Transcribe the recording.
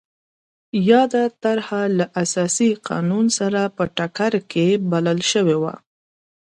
یاده طرحه له اساسي قانون سره په ټکر کې بلل شوې وه.